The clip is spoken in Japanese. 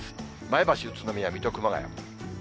前橋、宇都宮、水戸、熊谷。